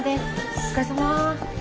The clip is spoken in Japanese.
お疲れさま。